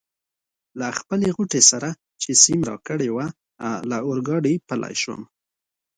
له خپلې غوټې سره چي سیم راکړې وه له اورګاډي پلی شوم.